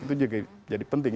itu juga jadi penting